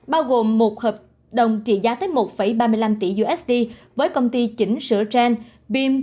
bao gồm một hợp đồng trị giá tới một ba mươi năm tỷ usd với công ty chỉnh sửa gen bim